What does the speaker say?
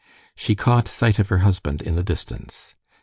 She caught sight of her husband in the distance.